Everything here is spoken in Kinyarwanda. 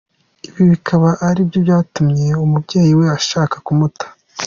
Ibi bikaba ari byo byatumye umubyeyi we ashaka kumuta.